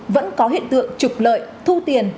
vẫn có hiện tượng trục lợi thu tiền